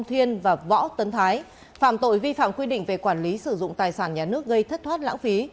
xin kính chào và mời quý vị